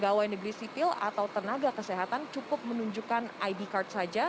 pegawai negeri sipil atau tenaga kesehatan cukup menunjukkan id card saja